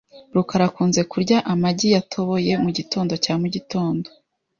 rukara akunze kurya amagi yatoboye mugitondo cya mugitondo .